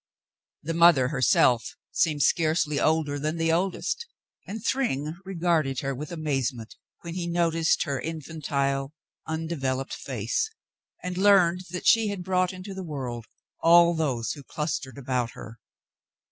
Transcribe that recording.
The mother herself seemed scarcely older than the oldest, and Thryng regarded her with amazement when he noticed her infantile, undeveloped face and learned that she had brought into the world all those who clustered about her.